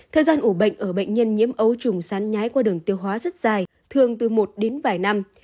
thời gian ủ bệnh ở bệnh nhân nhiễm ấu trùng sán nhái qua đường tiêu hóa rất dài thường từ một đến vài năm